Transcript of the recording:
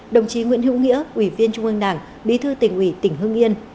đồng chí nguyễn hữu nghĩa ủy viên trung ương đảng bí thư tỉnh ủy tỉnh hưng yên